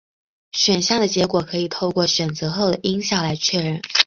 选项的结果可以透过选择后的音效来确认。